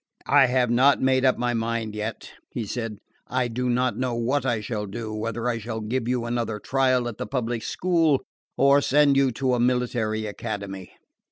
"I have not made up my mind yet," he said. "I do not know what I shall do whether I shall give you another trial at the public school or send you to a military academy."